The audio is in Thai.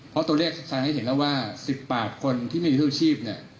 เพราะตัวเลขแสดงให้เห็นแล้วว่า๑๐ปากคนที่ไม่มีชื่อชีพเนี่ย